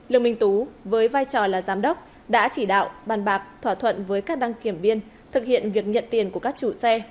lương minh tú với vai trò là giám đốc đã chỉ đạo bàn bạc thỏa thuận với các đăng kiểm viên thực hiện việc nhận tiền của các chủ xe